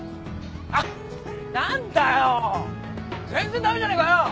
あっ何だよ全然駄目じゃねえかよ。